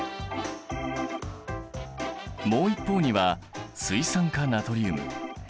もう一方には水酸化ナトリウム。